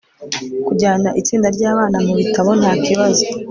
kujyana itsinda ryabana mubitabo ntakibazo